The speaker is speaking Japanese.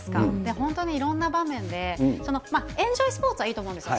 本当にいろんな場面で、エンジョイスポーツはいいと思うんですよ。